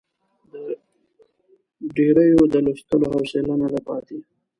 ډېریو د لوستلو حوصله نه ده پاتې.